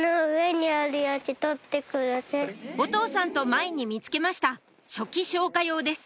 お父さんと前に見つけました初期消火用です